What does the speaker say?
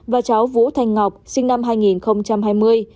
và cháu vũ thanh ngọc sinh năm hai nghìn hai mươi